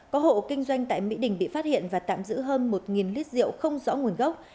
có hộ kinh doanh tại mỹ đình bị phát hiện và tạm giữ hơn một lít rượu không rõ nguồn gốc